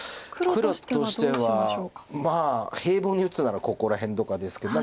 黒としては平凡に打つならここら辺とかですけど。